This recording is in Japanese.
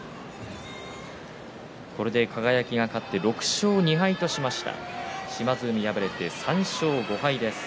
これで輝は勝って６勝２敗としました。